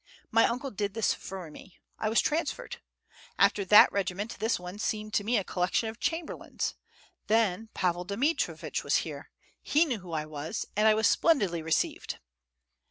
My uncle did this for me; I was transferred. After that regiment this one seemed to me a collection of chamberlains. Then Pavel Dmitrievitch was here; he knew who I was, and I was splendidly received.